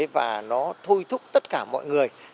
và nó thôi thúc tất cả mọi người